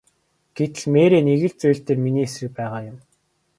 Гэтэл Мэри нэг л зүйл дээр миний эсрэг байгаа юм.